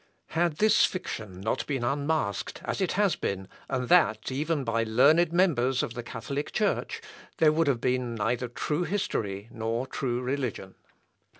Had this fiction not been unmasked, as it has been, and that even by learned members of the Catholic Church, there would have been neither true history nor true religion.